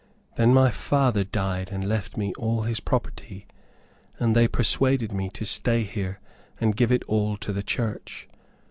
Then my father died and left me all his property, and they persuaded me to stay here, and give it all to the church.